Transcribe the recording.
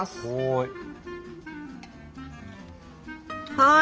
はい。